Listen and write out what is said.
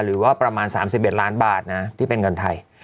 หรือว่าประมาณ๓๑ล้านบาทนะที่เป็นเงินไทย